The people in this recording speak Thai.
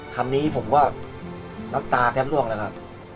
คำนี้ผมก็น้ำตาแทบล่วงเลยครับ